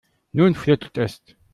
Nun flutscht es.